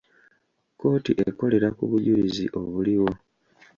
Kkooti ekolera ku bujulizi obuliwo.